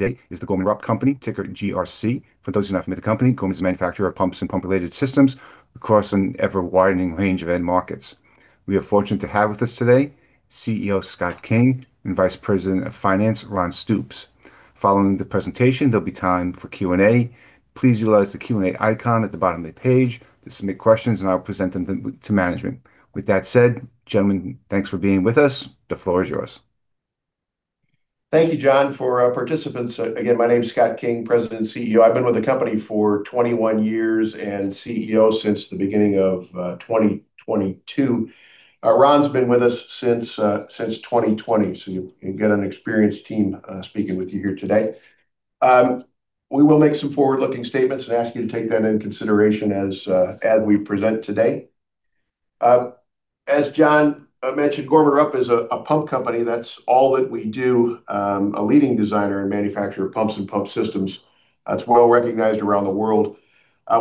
Today is the Gorman-Rupp Company, ticker GRC. For those who are not familiar with the company, Gorman's a manufacturer of pumps and pump-related systems across an ever-widening range of end markets. We are fortunate to have with us today CEO Scott King and Vice President of Finance, Ron Stoops. Following the presentation, there'll be time for Q&A. Please utilize the Q&A icon at the bottom of the page to submit questions, I'll present them to management. With that said, gentlemen, thanks for being with us. The floor is yours. Thank you, John. For our participants, again, my name's Scott King, President and CEO. I've been with the company for 21 years and CEO since the beginning of 2022. Ron's been with us since 2020, you get an experienced team speaking with you here today. We will make some forward-looking statements and ask you to take that into consideration as we present today. As John mentioned, Gorman-Rupp is a pump company. That's all that we do, a leading designer and manufacturer of pumps and pump systems. It's well-recognized around the world.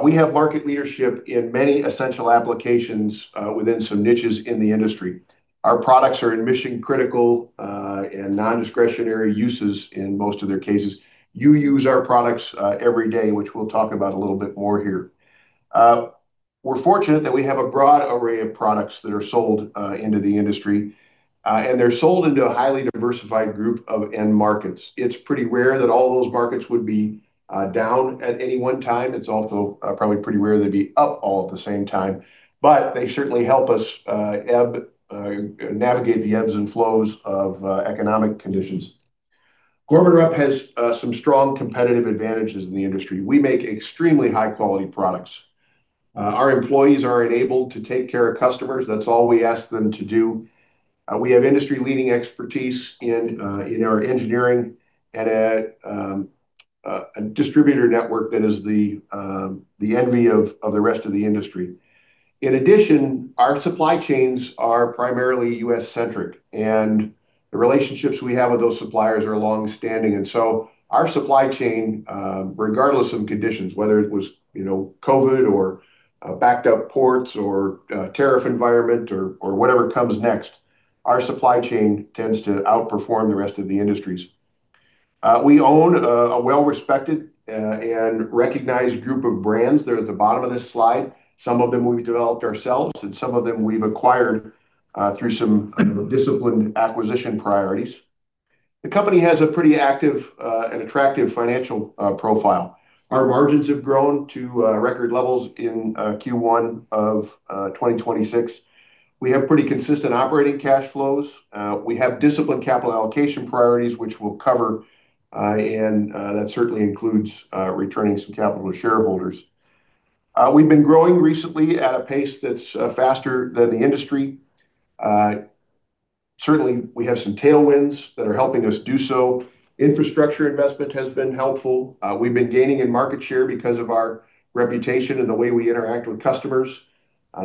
We have market leadership in many essential applications within some niches in the industry. Our products are in mission-critical, and non-discretionary uses in most of their cases. You use our products every day, which we'll talk about a little bit more here. We're fortunate that we have a broad array of products that are sold into the industry, and they're sold into a highly diversified group of end markets. It's pretty rare that all of those markets would be down at any one time. It's also probably pretty rare they'd be up all at the same time, but they certainly help us navigate the ebbs and flows of economic conditions. Gorman-Rupp has some strong competitive advantages in the industry. We make extremely high-quality products. Our employees are enabled to take care of customers. That's all we ask them to do. We have industry-leading expertise in our engineering and a distributor network that is the envy of the rest of the industry. In addition, our supply chains are primarily U.S.-centric, the relationships we have with those suppliers are longstanding. Our supply chain, regardless of conditions, whether it was COVID, or backed-up ports, or a tariff environment, or whatever comes next, our supply chain tends to outperform the rest of the industries. We own a well-respected and recognized group of brands. They're at the bottom of this slide. Some of them we've developed ourselves, and some of them we've acquired through some disciplined acquisition priorities. The company has a pretty active and attractive financial profile. Our margins have grown to record levels in Q1 of 2026. We have pretty consistent operating cash flows. We have disciplined capital allocation priorities, which we'll cover, and that certainly includes returning some capital to shareholders. We've been growing recently at a pace that's faster than the industry. Certainly, we have some tailwinds that are helping us do so. Infrastructure investment has been helpful. We've been gaining in market share because of our reputation and the way we interact with customers.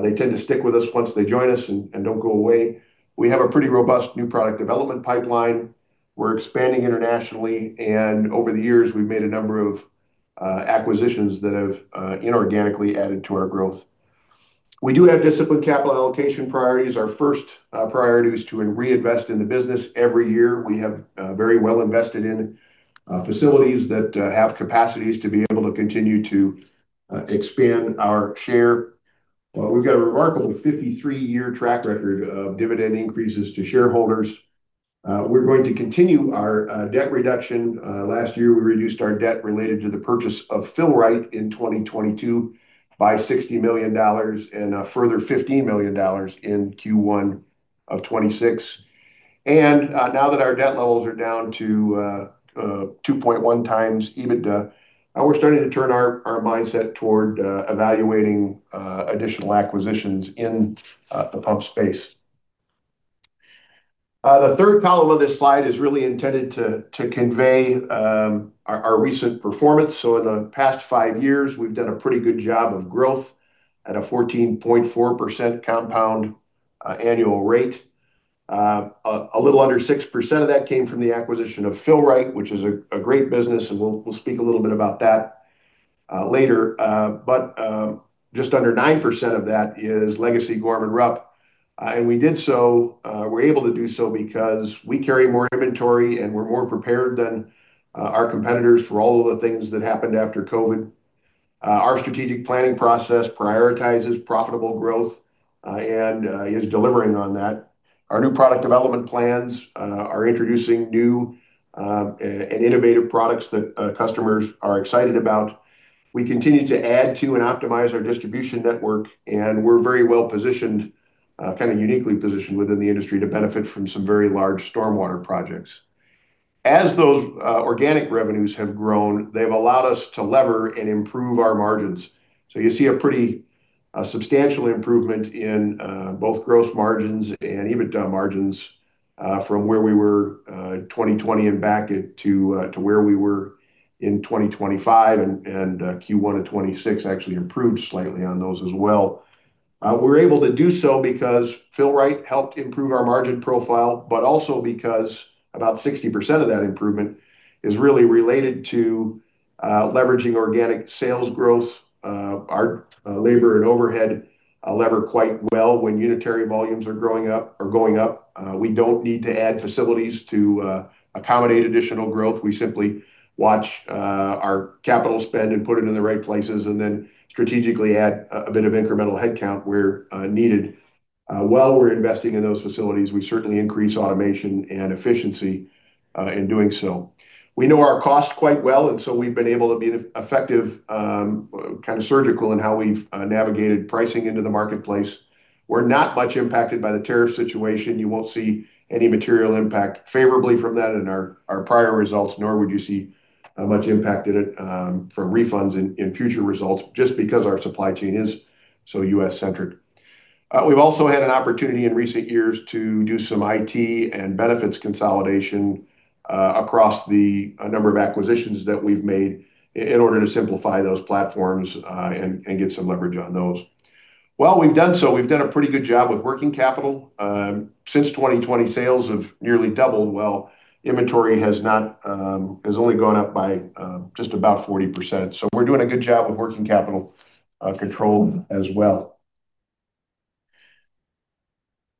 They tend to stick with us once they join us and don't go away. We have a pretty robust new product development pipeline. We're expanding internationally, and over the years, we've made a number of acquisitions that have inorganically added to our growth. We do have disciplined capital allocation priorities. Our first priority was to reinvest in the business every year. We have very well invested in facilities that have capacities to be able to continue to expand our share. We've got a remarkable 53-year track record of dividend increases to shareholders. We're going to continue our debt reduction. Last year, we reduced our debt related to the purchase of Fill-Rite in 2022 by $60 million and a further $15 million in Q1 of 2026. Now that our debt levels are down to 2.1x EBITDA, we're starting to turn our mindset toward evaluating additional acquisitions in the pump space. The third column of this slide is really intended to convey our recent performance. In the past five years, we've done a pretty good job of growth at a 14.4% compound annual rate. A little under 6% of that came from the acquisition of Fill-Rite, which is a great business, and we'll speak a little bit about that later. Just under 9% of that is legacy Gorman-Rupp. We're able to do so because we carry more inventory, and we're more prepared than our competitors for all of the things that happened after COVID. Our strategic planning process prioritizes profitable growth, and is delivering on that. Our new product development plans are introducing new and innovative products that customers are excited about. We continue to add to and optimize our distribution network, and we're very well-positioned, kind of uniquely positioned within the industry to benefit from some very large stormwater projects. As those organic revenues have grown, they've allowed us to lever and improve our margins. You see a pretty substantial improvement in both gross margins and EBITDA margins, from where we were in 2020 and back to where we were in 2025. Q1 of 2026 actually improved slightly on those as well. We're able to do so because Fill-Rite helped improve our margin profile, but also because about 60% of that improvement is really related to leveraging organic sales growth. Our labor and overhead lever quite well when unitary volumes are going up. We don't need to add facilities to accommodate additional growth. We simply watch our capital spend and put it in the right places, and then strategically add a bit of incremental headcount where needed. While we're investing in those facilities, we certainly increase automation and efficiency in doing so. We know our cost quite well, and so we've been able to be effective, kind of surgical in how we've navigated pricing into the marketplace. We're not much impacted by the tariff situation. You won't see any material impact favorably from that in our prior results, nor would you see much impact from refunds in future results, just because our supply chain is so U.S.-centric. We've also had an opportunity in recent years to do some IT and benefits consolidation across the number of acquisitions that we've made in order to simplify those platforms, and get some leverage on those. While we've done so, we've done a pretty good job with working capital. Since 2020, sales have nearly doubled. While inventory has only gone up by just about 40%. We're doing a good job with working capital control as well.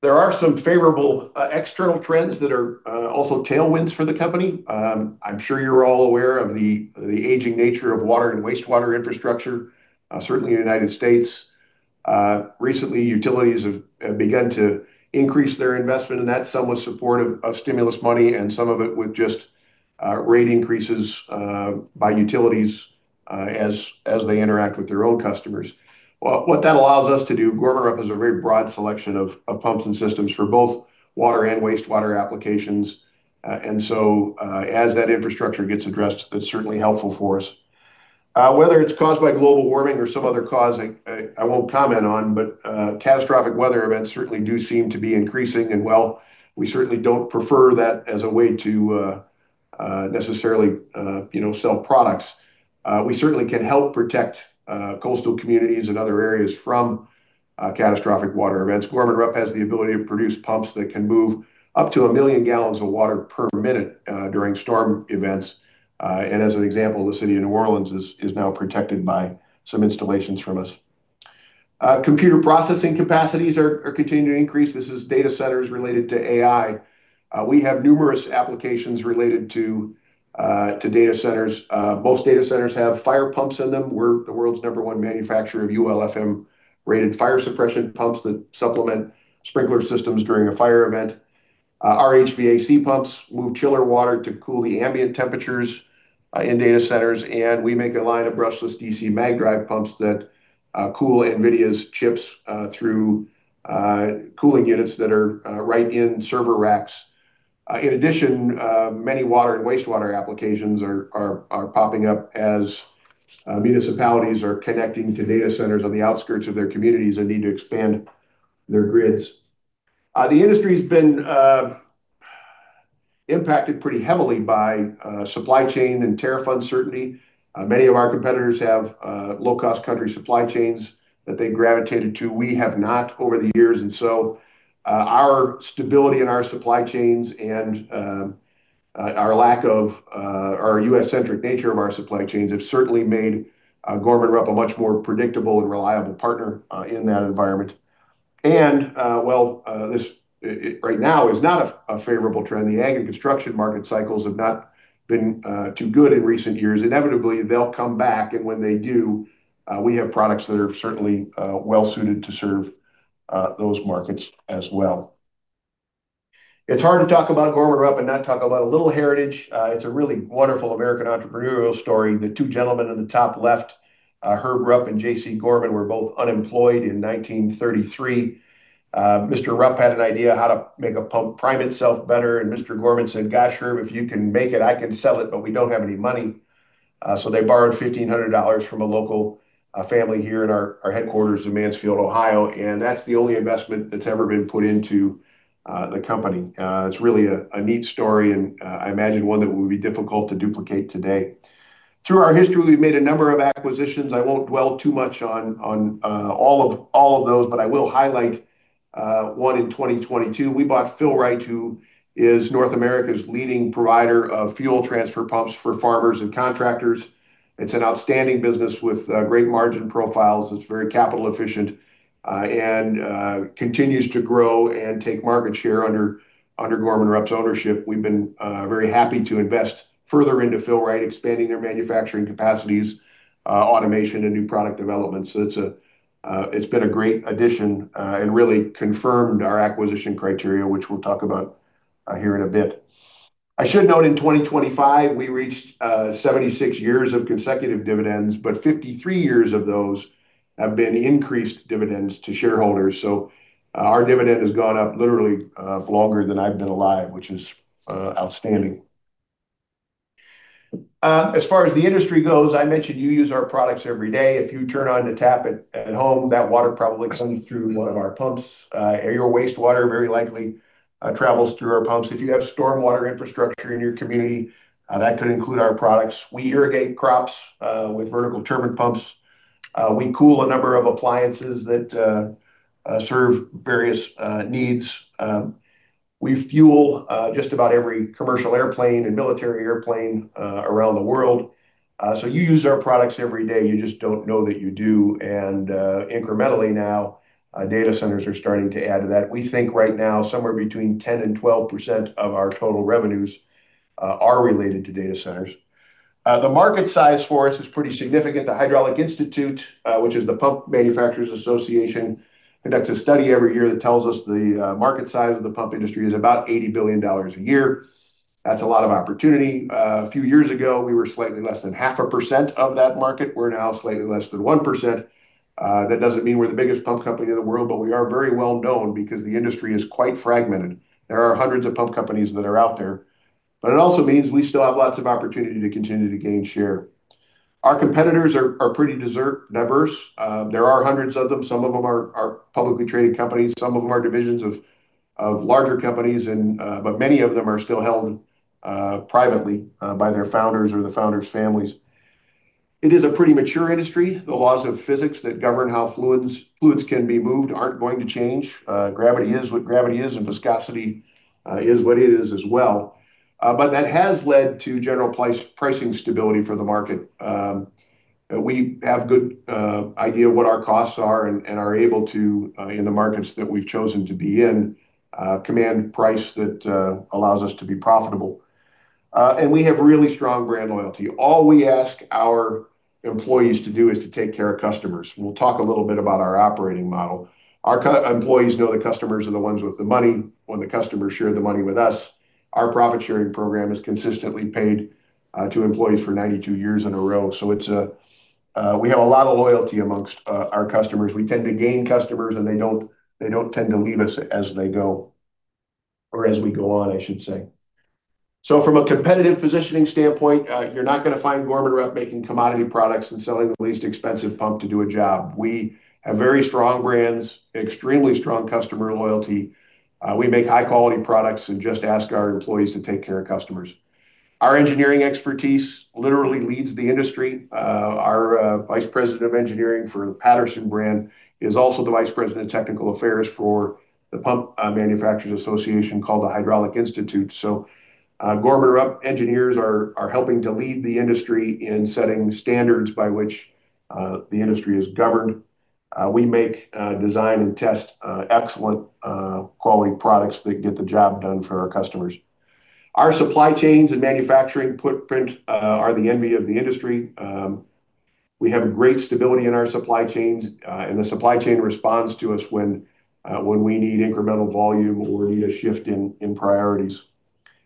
There are some favorable external trends that are also tailwinds for the company. I'm sure you're all aware of the aging nature of water and wastewater infrastructure, certainly in the U.S. Recently, utilities have begun to increase their investment in that. Some with support of stimulus money and some of it with just rate increases by utilities as they interact with their own customers. Well, what that allows us to do, Gorman-Rupp has a very broad selection of pumps and systems for both water and wastewater applications. As that infrastructure gets addressed, that's certainly helpful for us. Whether it's caused by global warming or some other cause, I won't comment on, catastrophic weather events certainly do seem to be increasing. While we certainly don't prefer that as a way to necessarily sell products, we certainly can help protect coastal communities and other areas from catastrophic water events. Gorman-Rupp has the ability to produce pumps that can move up to a million gallons of water per minute during storm events. As an example, the city of New Orleans is now protected by some installations from us. Computer processing capacities are continuing to increase. This is data centers related to AI. We have numerous applications related to data centers. Most data centers have fire pumps in them. We're the world's number one manufacturer of UL/FM-rated fire suppression pumps that supplement sprinkler systems during a fire event. Our HVAC pumps move chiller water to cool the ambient temperatures in data centers, we make a line of brushless DC magnetic drive pumps that cool NVIDIA's chips through cooling units that are right in server racks. In addition, many water and wastewater applications are popping up as municipalities are connecting to data centers on the outskirts of their communities and need to expand their grids. The industry's been impacted pretty heavily by supply chain and tariff uncertainty. Many of our competitors have low-cost country supply chains that they gravitated to. We have not over the years, our stability in our supply chains and our U.S.-centric nature of our supply chains have certainly made Gorman-Rupp a much more predictable and reliable partner in that environment. While this right now is not a favorable trend, the ag and construction market cycles have not been too good in recent years. Inevitably, they'll come back, when they do, we have products that are certainly well-suited to serve those markets as well. It's hard to talk about Gorman-Rupp and not talk about a little heritage. It's a really wonderful American entrepreneurial story. The two gentlemen in the top left, Herb Rupp and J.C. Gorman, were both unemployed in 1933. Mr. Rupp had an idea how to make a pump prime itself better, Mr. Gorman said, "Gosh, Herb, if you can make it, I can sell it, but we don't have any money." They borrowed $1,500 from a local family here at our headquarters in Mansfield, Ohio, that's the only investment that's ever been put into the company. It's really a neat story and I imagine one that would be difficult to duplicate today. Through our history, we've made a number of acquisitions. I won't dwell too much on all of those, but I will highlight one in 2022. We bought Fill-Rite, who is North America's leading provider of fuel transfer pumps for farmers and contractors. It's an outstanding business with great margin profiles. It's very capital efficient, and continues to grow and take market share under Gorman-Rupp's ownership. We've been very happy to invest further into Fill-Rite, expanding their manufacturing capacities, automation, and new product development. It's been a great addition, and really confirmed our acquisition criteria, which we'll talk about here in a bit. I should note, in 2025, we reached 76 years of consecutive dividends, but 53 years of those have been increased dividends to shareholders. Our dividend has gone up literally longer than I've been alive, which is outstanding. As far as the industry goes, I mentioned you use our products every day. If you turn on the tap at home, that water probably comes through one of our pumps. Your wastewater very likely travels through our pumps. If you have stormwater infrastructure in your community, that could include our products. We irrigate crops with vertical turbine pumps. We cool a number of appliances that serve various needs. We fuel just about every commercial airplane and military airplane around the world. You use our products every day, you just don't know that you do, and incrementally now, data centers are starting to add to that. We think right now somewhere between 10% and 12% of our total revenues are related to data centers. The market size for us is pretty significant. The Hydraulic Institute, which is the Pump Manufacturers Association, conducts a study every year that tells us the market size of the pump industry is about $80 billion a year. That's a lot of opportunity. A few years ago, we were slightly less than half a percent of that market, we're now slightly less than 1%. That doesn't mean we're the biggest pump company in the world, but we are very well known because the industry is quite fragmented. There are hundreds of pump companies that are out there, but it also means we still have lots of opportunity to continue to gain share. Our competitors are pretty diverse. There are hundreds of them. Some of them are publicly traded companies, some of them are divisions of larger companies, but many of them are still held privately by their founders or the founders' families. It is a pretty mature industry. The laws of physics that govern how fluids can be moved aren't going to change. Gravity is what gravity is, and viscosity is what it is as well. That has led to general pricing stability for the market. We have good idea what our costs are, and are able to, in the markets that we've chosen to be in, command price that allows us to be profitable. We have really strong brand loyalty. All we ask our employees to do is to take care of customers. We'll talk a little bit about our operating model. Our employees know the customers are the ones with the money. When the customers share the money with us, our profit-sharing program has consistently paid to employees for 92 years in a row. We have a lot of loyalty amongst our customers. We tend to gain customers, and they don't tend to leave us as they go, or as we go on, I should say. From a competitive positioning standpoint, you're not going to find Gorman-Rupp making commodity products and selling the least expensive pump to do a job. We have very strong brands, extremely strong customer loyalty. We make high-quality products and just ask our employees to take care of customers. Our engineering expertise literally leads the industry. Our Vice President of Engineering for the Patterson brand is also the Vice President of Technical Affairs for the pump manufacturers association called the Hydraulic Institute. Gorman-Rupp engineers are helping to lead the industry in setting standards by which the industry is governed. We make, design, and test excellent quality products that get the job done for our customers. Our supply chains and manufacturing footprint are the envy of the industry. We have great stability in our supply chains, the supply chain responds to us when we need incremental volume or we need a shift in priorities.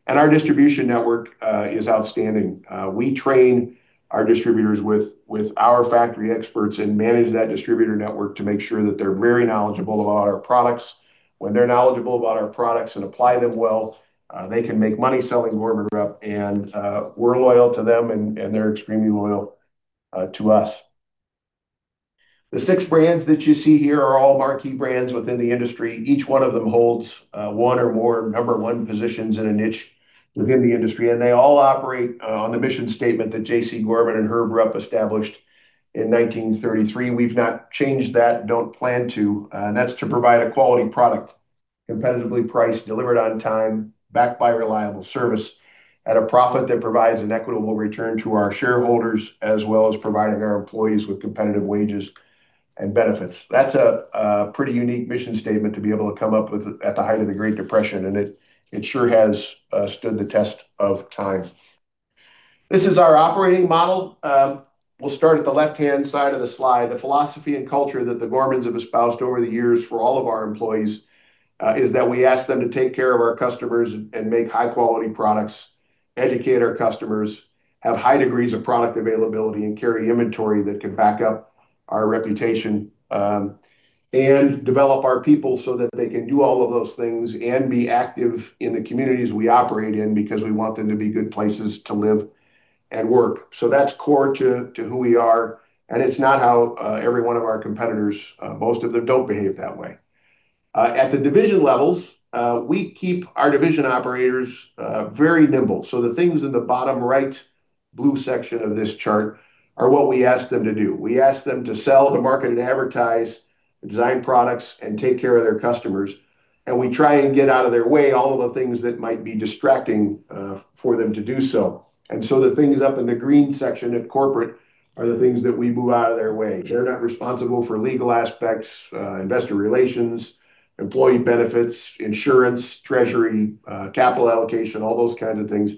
Our distribution network is outstanding. We train our distributors with our factory experts and manage that distributor network to make sure that they're very knowledgeable about our products. When they're knowledgeable about our products and apply them well, they can make money selling Gorman-Rupp, and we're loyal to them, and they're extremely loyal to us. The six brands that you see here are all marquee brands within the industry. Each one of them holds one or more number one positions in a niche within the industry, and they all operate on the mission statement that J.C. Gorman and Herb Rupp established in 1933. We've not changed that, don't plan to, that's to provide a quality product, competitively priced, delivered on time, backed by reliable service, at a profit that provides an equitable return to our shareholders, as well as providing our employees with competitive wages and benefits. That's a pretty unique mission statement to be able to come up with at the height of the Great Depression, it sure has stood the test of time. This is our operating model. We'll start at the left-hand side of the slide. The philosophy and culture that the Gormans have espoused over the years for all of our employees is that we ask them to take care of our customers and make high-quality products, educate our customers, have high degrees of product availability, and carry inventory that can back up our reputation, and develop our people so that they can do all of those things and be active in the communities we operate in, because we want them to be good places to live and work. That's core to who we are, it's not how every one of our competitors, most of them don't behave that way. At the division levels, we keep our division operators very nimble. The things in the bottom right blue section of this chart are what we ask them to do. We ask them to sell, to market, and advertise, design products, and take care of their customers, and we try and get out of their way all of the things that might be distracting for them to do so. The things up in the green section at corporate are the things that we move out of their way. They're not responsible for legal aspects, investor relations, employee benefits, insurance, treasury, capital allocation, all those kinds of things.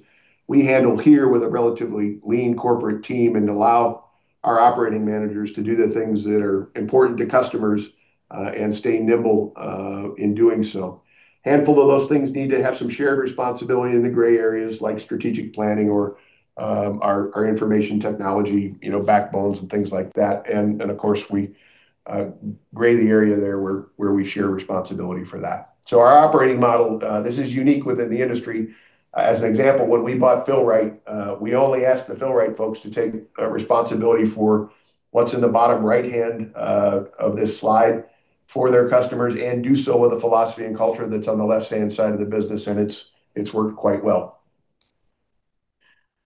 We handle here with a relatively lean corporate team and allow our operating managers to do the things that are important to customers, and stay nimble in doing so. A handful of those things need to have some shared responsibility in the gray areas, like strategic planning or our information technology backbones and things like that. Of course, we gray the area there where we share responsibility for that. Our operating model, this is unique within the industry. As an example, when we bought Fill-Rite, we only asked the Fill-Rite folks to take responsibility for what's in the bottom right-hand of this slide for their customers, and do so with a philosophy and culture that's on the left-hand side of the business, and it's worked quite well.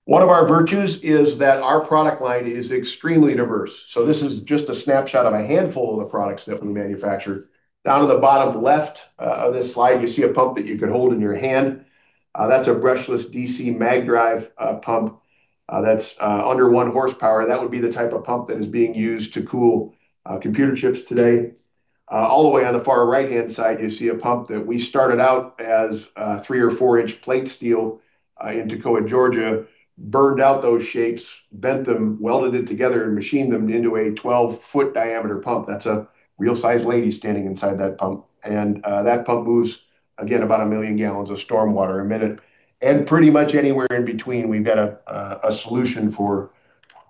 One of our virtues is that our product line is extremely diverse. This is just a snapshot of a handful of the products that we manufacture. Down to the bottom left of this slide, you see a pump that you could hold in your hand. That's a brushless DC mag drive pump that's under one horsepower. That would be the type of pump that is being used to cool computer chips today. All the way on the far right-hand side, you see a pump that we started out as three or four-inch plate steel in Toccoa, Georgia, burned out those shapes, bent them, welded it together, and machined them into a 12-foot diameter pump. That's a real-size lady standing inside that pump, and that pump moves, again, about a million gallons of stormwater a minute. Pretty much anywhere in between, we've got a solution for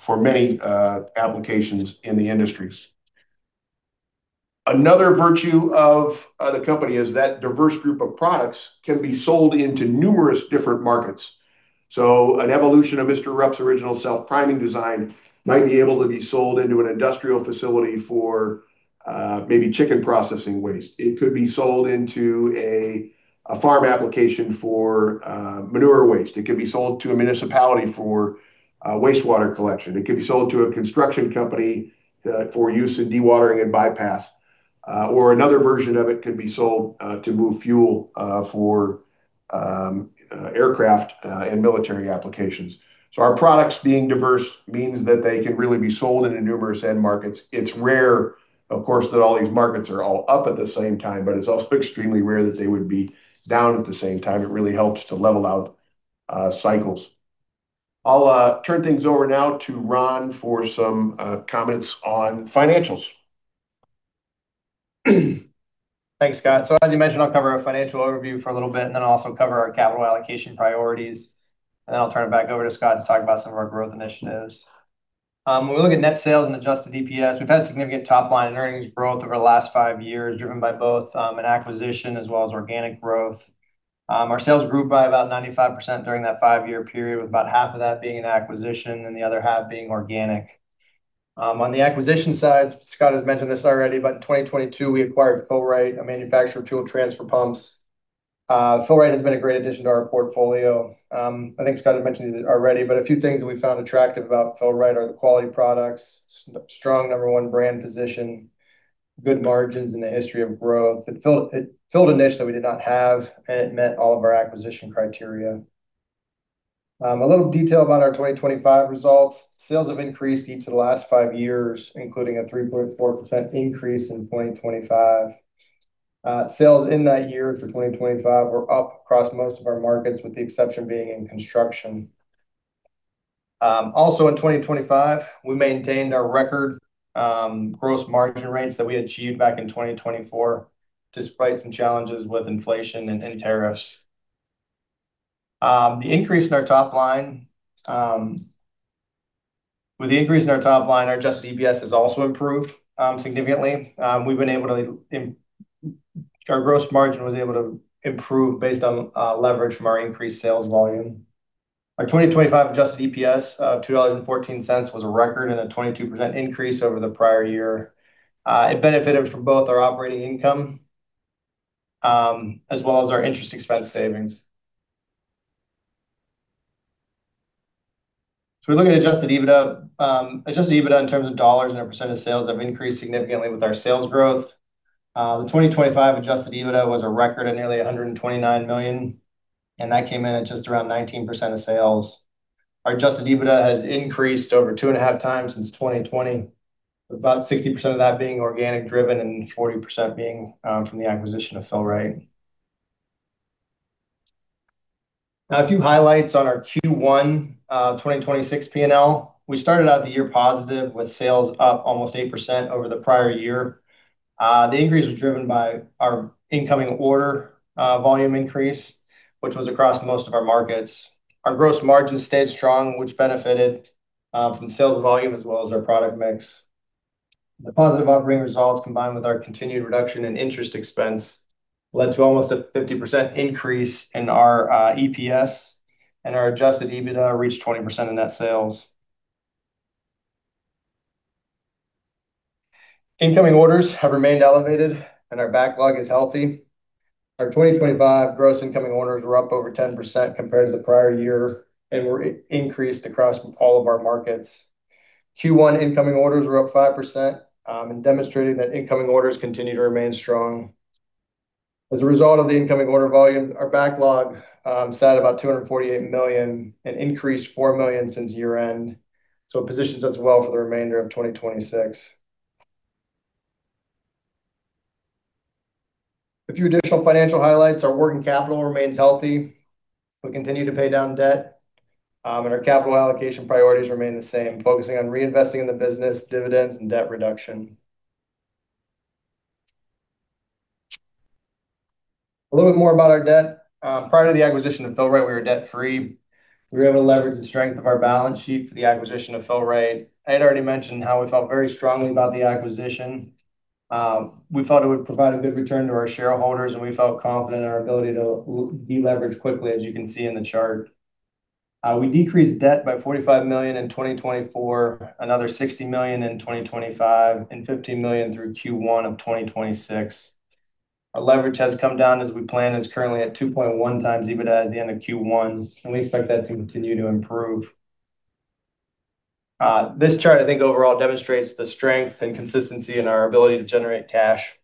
many applications in the industries. Another virtue of the company is that diverse group of products can be sold into numerous different markets. An evolution of Mr. Rupp's original self-priming design might be able to be sold into an industrial facility for maybe chicken processing waste. It could be sold into a farm application for manure waste. It could be sold to a municipality for wastewater collection. It could be sold to a construction company for use in dewatering and bypass. Another version of it could be sold to move fuel for aircraft and military applications. Our products being diverse means that they can really be sold into numerous end markets. It's rare, of course, that all these markets are all up at the same time, but it's also extremely rare that they would be down at the same time. It really helps to level out cycles. I'll turn things over now to Ron for some comments on financials. Thanks, Scott. As you mentioned, I'll cover our financial overview for a little bit, I'll also cover our capital allocation priorities, I'll turn it back over to Scott to talk about some of our growth initiatives. When we look at net sales and adjusted EPS, we've had significant top-line earnings growth over the last five years, driven by both an acquisition as well as organic growth. Our sales grew by about 95% during that five-year period, with about half of that being an acquisition and the other half being organic. On the acquisition side, Scott has mentioned this already, in 2022, we acquired Fill-Rite, a manufacturer of fuel transfer pumps. Fill-Rite has been a great addition to our portfolio. I think Scott had mentioned it already, a few things that we found attractive about Fill-Rite are the quality products, strong number 1 brand position, good margins, a history of growth. It filled a niche that we did not have, it met all of our acquisition criteria. A little detail about our 2025 results. Sales have increased each of the last five years, including a 3.4% increase in 2025. Sales in that year for 2025 were up across most of our markets, with the exception being in construction. Also, in 2025, we maintained our record gross margin rates that we achieved back in 2024, despite some challenges with inflation and tariffs. With the increase in our top line, our adjusted EPS has also improved significantly. Our gross margin was able to improve based on leverage from our increased sales volume. Our 2025 adjusted EPS of $2.14 was a record, a 22% increase over the prior year. It benefited from both our operating income as well as our interest expense savings. We look at adjusted EBITDA. Adjusted EBITDA in terms of dollars, a percent of sales have increased significantly with our sales growth. The 2025 adjusted EBITDA was a record of nearly $129 million, that came in at just around 19% of sales. Our adjusted EBITDA has increased over two and a half times since 2020, with about 60% of that being organic driven, 40% being from the acquisition of Fill-Rite. A few highlights on our Q1 2026 P&L. We started out the year positive with sales up almost 8% over the prior year. The increase was driven by our incoming order volume increase, which was across most of our markets. Our gross margin stayed strong, which benefited from sales volume as well as our product mix. The positive operating results, combined with our continued reduction in interest expense, led to almost a 50% increase in our EPS, our adjusted EBITDA reached 20% in net sales. Incoming orders have remained elevated, our backlog is healthy. Our 2025 gross incoming orders were up over 10% compared to the prior year, were increased across all of our markets. Q1 incoming orders were up 5%, demonstrated that incoming orders continue to remain strong. As a result of the incoming order volume, our backlog sat about $248 million, increased $4 million since year-end. It positions us well for the remainder of 2026. A few additional financial highlights. Our working capital remains healthy. We continue to pay down debt. Our capital allocation priorities remain the same, focusing on reinvesting in the business, dividends, and debt reduction. A little bit more about our debt. Prior to the acquisition of Fill-Rite, we were debt-free. We were able to leverage the strength of our balance sheet for the acquisition of Fill-Rite. I had already mentioned how we felt very strongly about the acquisition. We felt it would provide a good return to our shareholders, and we felt confident in our ability to deleverage quickly, as you can see in the chart. We decreased debt by $45 million in 2024, another $60 million in 2025, and $15 million through Q1 of 2026. Our leverage has come down as we planned. It's currently at 2.1x EBITDA at the end of Q1, and we expect that to continue to improve. This chart, I think overall, demonstrates the strength and consistency in our ability to generate cash.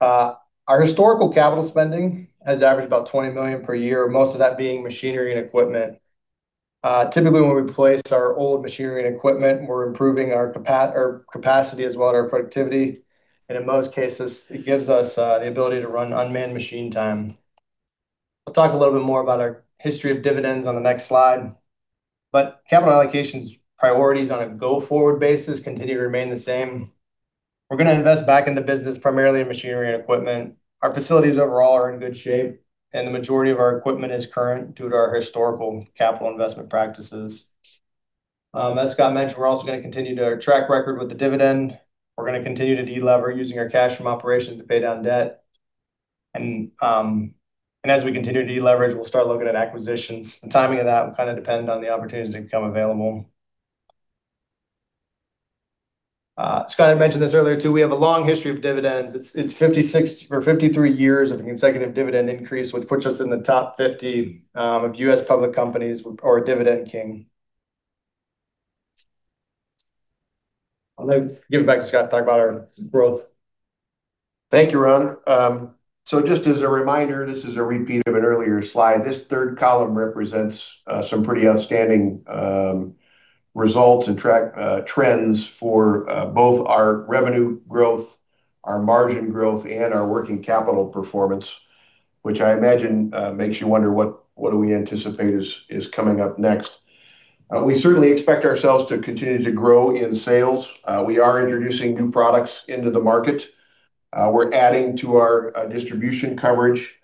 Our historical capital spending has averaged about $20 million per year, most of that being machinery and equipment. Typically, when we replace our old machinery and equipment, we're improving our capacity as well, and our productivity, and in most cases, it gives us the ability to run unmanned machine time. I'll talk a little bit more about our history of dividends on the next slide. Capital allocations priorities on a go-forward basis continue to remain the same. We're going to invest back in the business, primarily in machinery and equipment. Our facilities overall are in good shape, and the majority of our equipment is current due to our historical capital investment practices. As Scott mentioned, we're also going to continue to track record with the dividend. We're going to continue to de-lever using our cash from operations to pay down debt. As we continue to de-leverage, we'll start looking at acquisitions. The timing of that will kind of depend on the opportunities that become available. Scott had mentioned this earlier too. We have a long history of dividends. It's 56 or 53 years of a consecutive dividend increase, which puts us in the top 50 of U.S. public companies or a Dividend King. I'll give it back to Scott to talk about our growth. Thank you, Ron. Just as a reminder, this is a repeat of an earlier slide. This third column represents some pretty outstanding results and trends for both our revenue growth, our margin growth, and our working capital performance, which I imagine makes you wonder what do we anticipate is coming up next. We certainly expect ourselves to continue to grow in sales. We are introducing new products into the market. We're adding to our distribution coverage.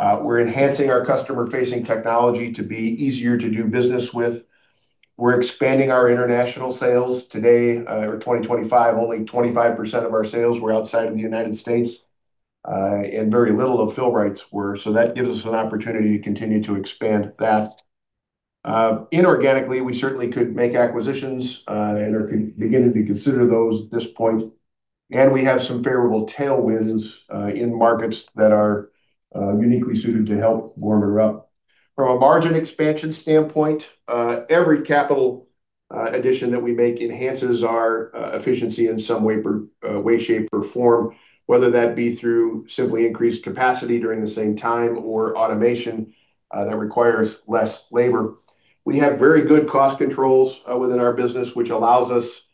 We're enhancing our customer-facing technology to be easier to do business with. We're expanding our international sales today. In 2025, only 25% of our sales were outside of the United States, and very little of Fill-Rite's were, so that gives us an opportunity to continue to expand that. Inorganically, we certainly could make acquisitions. Are beginning to consider those at this point. We have some favorable tailwinds in markets that are uniquely suited to help Gorman-Rupp. From a margin expansion standpoint, every capital addition that we make enhances our efficiency in some way, shape, or form, whether that be through simply increased capacity during the same time or automation that requires less labor. We have very good cost controls within our business, which allows us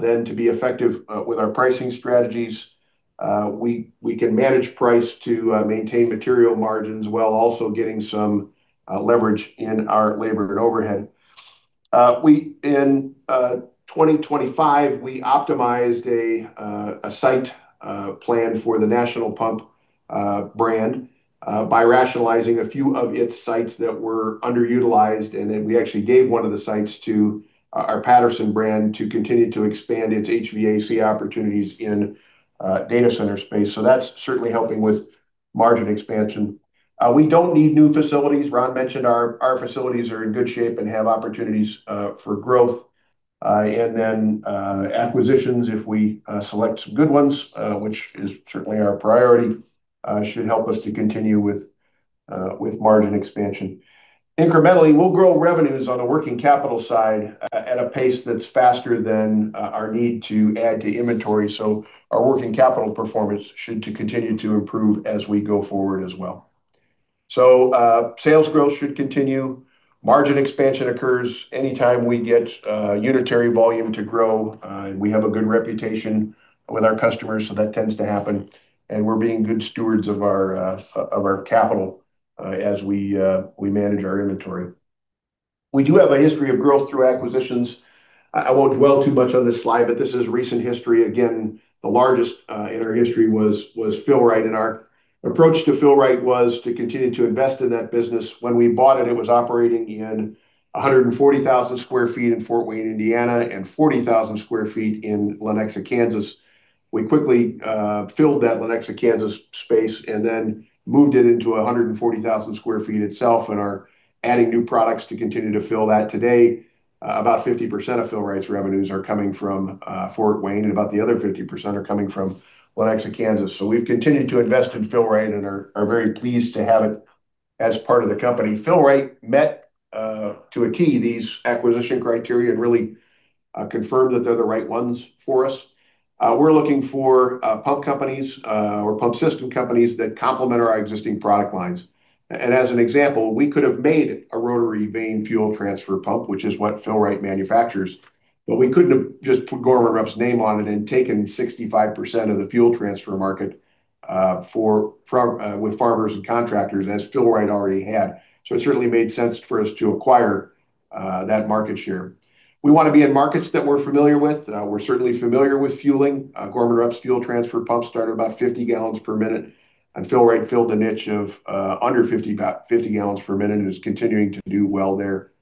then to be effective with our pricing strategies. We can manage price to maintain material margins, while also getting some leverage in our labor and overhead. In 2025, we optimized a site plan for the National Pump brand by rationalizing a few of its sites that were underutilized. Then we actually gave one of the sites to our Patterson brand to continue to expand its HVAC opportunities in data center space. That's certainly helping with margin expansion. We don't need new facilities. Ron mentioned our facilities are in good shape and have opportunities for growth. Acquisitions, if we select some good ones, which is certainly our priority, should help us to continue with margin expansion. Incrementally, we'll grow revenues on the working capital side at a pace that's faster than our need to add to inventory. Our working capital performance should continue to improve as we go forward as well. Sales growth should continue. Margin expansion occurs anytime we get unitary volume to grow. We have a good reputation with our customers. That tends to happen. We're being good stewards of our capital as we manage our inventory. We do have a history of growth through acquisitions. I won't dwell too much on this slide, but this is recent history. Again, the largest in our history was Fill-Rite. Our approach to Fill-Rite was to continue to invest in that business. When we bought it was operating in 140,000 sq ft in Fort Wayne, Indiana, and 40,000 sq ft in Lenexa, Kansas. We quickly filled that Lenexa, Kansas space. Moved it into 140,000 sq ft itself and are adding new products to continue to fill that. Today, about 50% of Fill-Rite's revenues are coming from Fort Wayne, and about the other 50% are coming from Lenexa, Kansas. We've continued to invest in Fill-Rite and are very pleased to have it as part of the company. Fill-Rite met to a T these acquisition criteria and really confirmed that they're the right ones for us. We're looking for pump companies or pump system companies that complement our existing product lines. As an example, we could have made a rotary vane fuel transfer pump, which is what Fill-Rite manufactures, but we couldn't have just put Gorman-Rupp's name on it and taken 65% of the fuel transfer market with farmers and contractors as Fill-Rite already had. It certainly made sense for us to acquire that market share. We want to be in markets that we're familiar with. We're certainly familiar with fueling. Gorman-Rupp's fuel transfer pumps start at about 50 gallons per minute, and Fill-Rite filled a niche of under 50 gallons per minute and is continuing to do well there.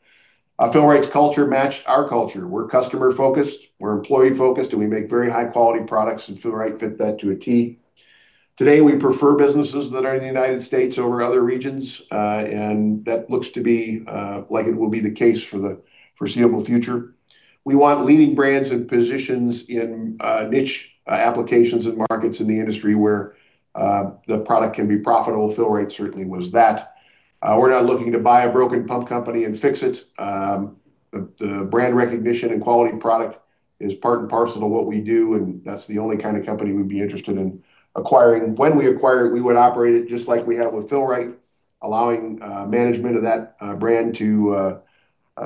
Fill-Rite's culture matched our culture. We're customer-focused, we're employee-focused, and we make very high-quality products, and Fill-Rite fit that to a T. Today, we prefer businesses that are in the United States over other regions, and that looks to be like it will be the case for the foreseeable future. We want leading brands and positions in niche applications and markets in the industry where the product can be profitable. Fill-Rite certainly was that. We're not looking to buy a broken pump company and fix it. The brand recognition and quality of product is part and parcel of what we do, and that's the only kind of company we'd be interested in acquiring. When we acquire it, we would operate it just like we have with Fill-Rite, allowing management of that brand to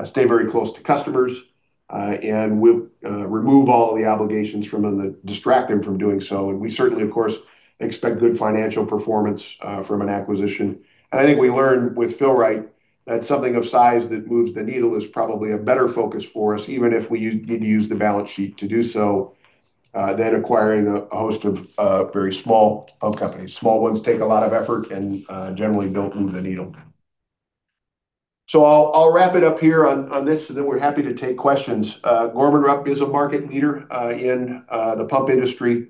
stay very close to customers. We'll remove all of the obligations from them that distract them from doing so. We certainly, of course, expect good financial performance from an acquisition. I think we learned with Fill-Rite that something of size that moves the needle is probably a better focus for us, even if we need to use the balance sheet to do so, than acquiring a host of very small companies. Small ones take a lot of effort and generally don't move the needle. I'll wrap it up here on this, and then we're happy to take questions. Gorman-Rupp is a market leader in the pump industry.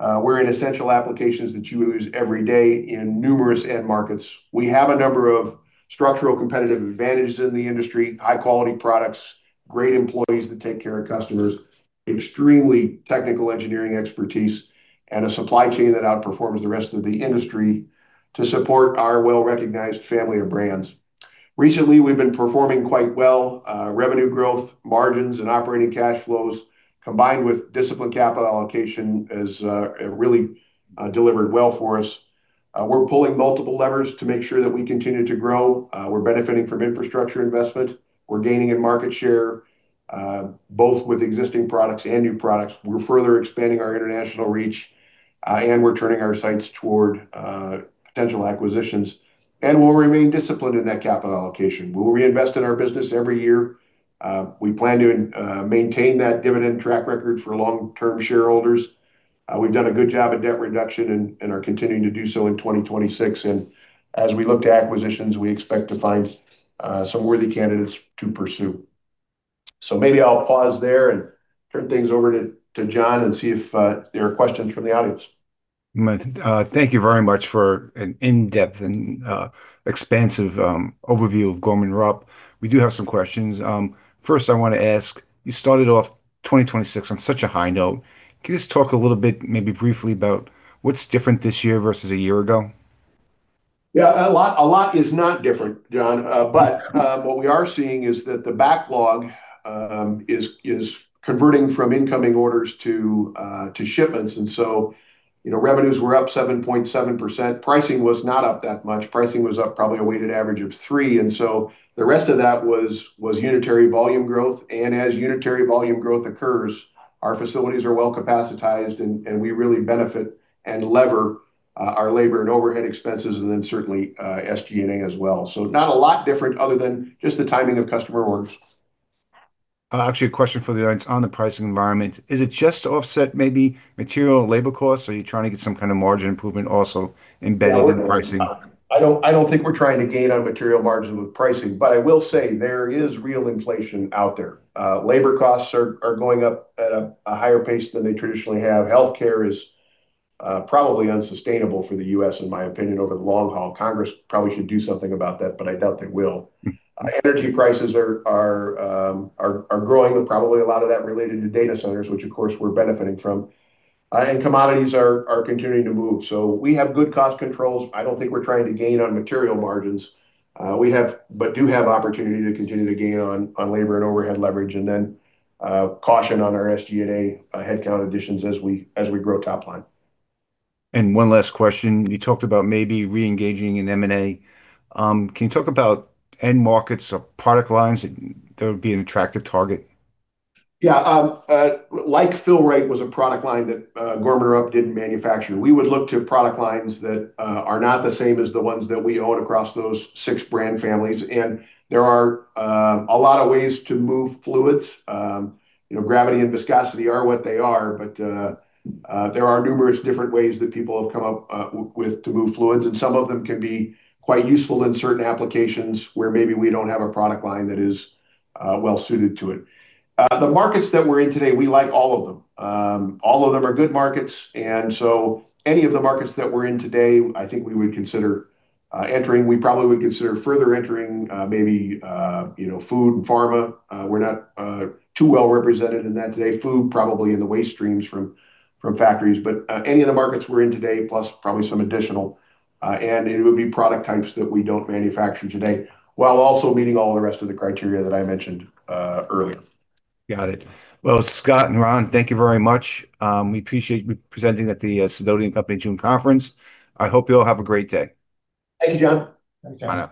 We're in essential applications that you use every day in numerous end markets. We have a number of structural competitive advantages in the industry, high-quality products, great employees that take care of customers, extremely technical engineering expertise, and a supply chain that outperforms the rest of the industry to support our well-recognized family of brands. Recently, we've been performing quite well. Revenue growth, margins, and operating cash flows, combined with disciplined capital allocation, has really delivered well for us. We're pulling multiple levers to make sure that we continue to grow. We're benefiting from infrastructure investment. We're gaining in market share, both with existing products and new products. We're further expanding our international reach, and we're turning our sights toward potential acquisitions. We'll remain disciplined in that capital allocation. We'll reinvest in our business every year. We plan to maintain that dividend track record for long-term shareholders. We've done a good job at debt reduction and are continuing to do so in 2026. As we look to acquisitions, we expect to find some worthy candidates to pursue. Maybe I'll pause there and turn things over to John and see if there are questions from the audience. Thank you very much for an in-depth and expansive overview of Gorman-Rupp. We do have some questions. First, I want to ask, you started off 2026 on such a high note. Can you just talk a little bit, maybe briefly, about what's different this year versus a year ago Yeah, a lot is not different, John. What we are seeing is that the backlog is converting from incoming orders to shipments. Revenues were up 7.7%. Pricing was not up that much. Pricing was up probably a weighted average of three, the rest of that was unitary volume growth. As unitary volume growth occurs, our facilities are well capacitized, and we really benefit and lever our labor and overhead expenses and then certainly SG&A as well. Not a lot different other than just the timing of customer orders. Actually, a question from the audience on the pricing environment. Is it just to offset maybe material and labor costs, or are you trying to get some kind of margin improvement also embedded in pricing? No, I don't think we're trying to gain on material margins with pricing, I will say there is real inflation out there. Labor costs are going up at a higher pace than they traditionally have. Healthcare is probably unsustainable for the U.S., in my opinion, over the long haul. Congress probably should do something about that, I doubt they will. Energy prices are growing, probably a lot of that related to data centers, which of course, we're benefiting from. Commodities are continuing to move. We have good cost controls. I don't think we're trying to gain on material margins. We have, but do have opportunity to continue to gain on labor and overhead leverage, and then caution on our SG&A headcount additions as we grow top line. One last question. You talked about maybe re-engaging in M&A. Can you talk about end markets or product lines that would be an attractive target? Yeah. Like Fill-Rite was a product line that Gorman-Rupp didn't manufacture, we would look to product lines that are not the same as the ones that we own across those six brand families. There are a lot of ways to move fluids. Gravity and viscosity are what they are, but there are numerous different ways that people have come up with to move fluids, and some of them can be quite useful in certain applications where maybe we don't have a product line that is well-suited to it. The markets that we're in today, we like all of them. All of them are good markets. Any of the markets that we're in today, I think we would consider entering. We probably would consider further entering maybe food and pharma. We're not too well represented in that today. Food, probably in the waste streams from factories. Any of the markets we're in today, plus probably some additional, and it would be product types that we don't manufacture today, while also meeting all the rest of the criteria that I mentioned earlier. Got it. Well, Scott and Ron, thank you very much. We appreciate you presenting at the Sidoti Company June Conference. I hope you all have a great day. Thank you, John. Thank you, John.